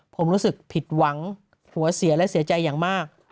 ผมรู้สึกผิดหวังหัวเสียและเสียใจอย่างมาก